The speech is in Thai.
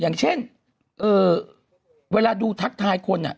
อย่างเช่นเวลาดูทักทายคน